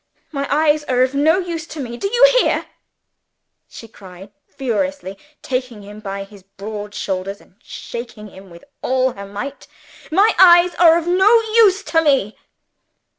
My eyes are of no use to me! Do you hear?" she cried furiously, taking him by his broad shoulders and shaking him with all her might "my eyes are of no use to me!"